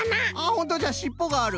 ほんとじゃしっぽがある。